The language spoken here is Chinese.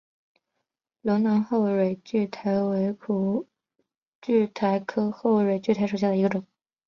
龙南后蕊苣苔为苦苣苔科后蕊苣苔属下的一个种。